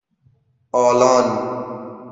آلان